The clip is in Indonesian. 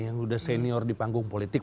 yang sudah senior di panggung politik